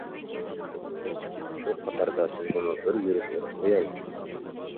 شۇ قاتاردا سىزگىمۇ بىر يۈرۈش ئېلىپ قوياي.